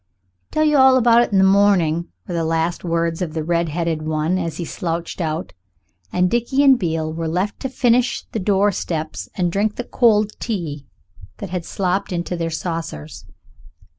"Tell you all about it in the morning" were the last words of the redheaded one as he slouched out, and Dickie and Beale were left to finish the door steps and drink the cold tea that had slopped into their saucers.